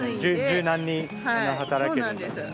柔軟に働けるんですね。